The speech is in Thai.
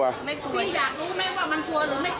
คุณอยากรู้ไหมว่ามันกลัวหรือไม่กลัว